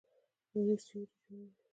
ونې سیوری جوړوي